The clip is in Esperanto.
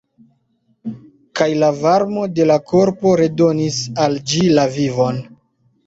Kaj la varmo de la korpo redonis al ĝi la vivon.